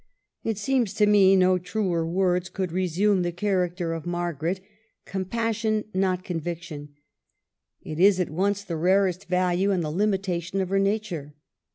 It seems to me no truer words could resume the character of Margaret, THE END. 313 — compassion, not conviction. It is at once the rarest value and the hmitation of her nature.